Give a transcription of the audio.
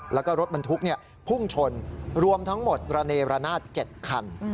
แล้วก็รถบรรทุกพุ่งชนรวมทั้งหมดระเนรนาศ๗คัน